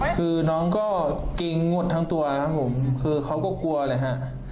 คือน้องก็เกรงงดทั้งตัวครับผมคือเขาก็กลัวเลยฮะ